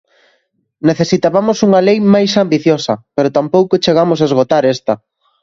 Necesitabamos unha lei máis ambiciosa pero tampouco chegamos esgotar esta.